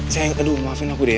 saya aduh maafin aku deh